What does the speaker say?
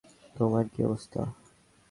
তোমার কি অবস্থা?